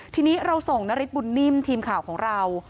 ทีนี้เราส่งนฤทธบุญนิ่มทีมข่าวของเรา